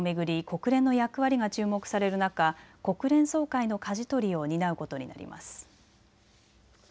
国連の役割が注目される中、国連総会のかじ取りを担うことになります。